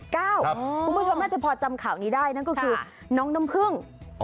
คุณผู้ชมน่าจะพอจำข่าวนี้ได้นั่นก็คือน้องน้ำผึ้ง